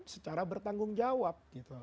secara bertanggung jawab